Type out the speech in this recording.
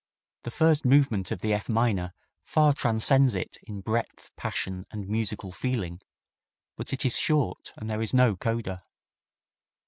The first movement of the F minor far transcends it in breadth, passion and musical feeling, but it is short and there is no coda.